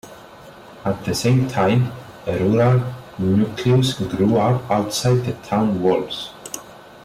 At the same time, a rural nucleus grew up outside the town walls.